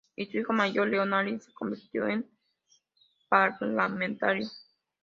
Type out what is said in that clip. Y, su hijo mayor, Leonard, se convirtió en parlamentario.